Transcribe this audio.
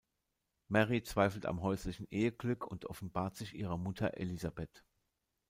Mary zweifelt am häuslichen Eheglück und offenbart sich ihrer Mutter Elizabeth.